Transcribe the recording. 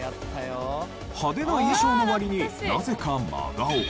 派手な衣装の割になぜか真顔。